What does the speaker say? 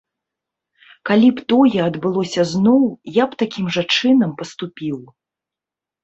Калі б тое адбылося зноў, я б такім жа чынам паступіў.